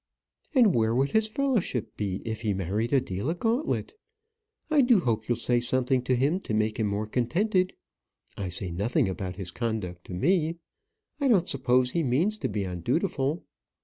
"And where would his fellowship be if he married Adela Gauntlet? I do hope you'll say something to him to make him more contented. I say nothing about his conduct to me. I don't suppose he means to be undutiful."